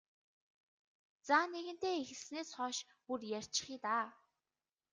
За нэгэнтээ эхэлснээс хойш бүр ярьчихъя даа.